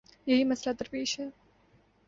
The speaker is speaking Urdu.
یہی مسئلہ درپیش ہے۔